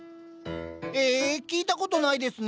え聞いたことないですね。